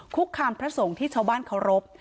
คุกคามพระสงฆ์ที่ชาวบ้านเคารพ